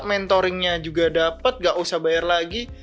mentoringnya juga dapat gak usah bayar lagi